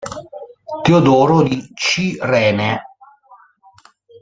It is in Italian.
Teodoro di Cirene